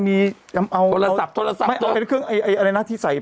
มีโทรศัพท์โทรศัพท์ไม่ต้องเป็นเครื่องไอ้อะไรนะที่ใส่